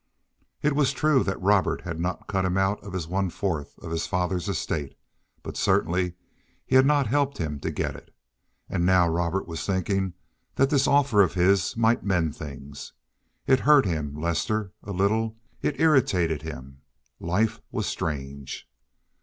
It was true that Robert had not cut him out of his one fourth of his father's estate, but certainly he had not helped him to get it, and now Robert was thinking that this offer of his might mend things. It hurt him—Lester—a little. It irritated him. Life was strange.